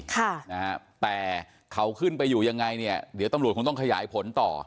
ค่ะนะฮะแต่เขาขึ้นไปอยู่ยังไงเนี่ยเดี๋ยวตำรวจคงต้องขยายผลต่อ